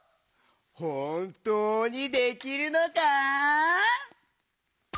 ほんとうにできるのか？